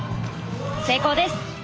成功です。